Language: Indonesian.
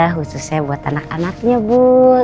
khususnya buat anak anaknya bu